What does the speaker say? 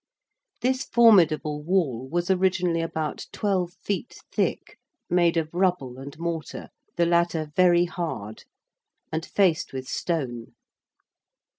This formidable Wall was originally about 12 feet thick made of rubble and mortar, the latter very hard, and faced with stone.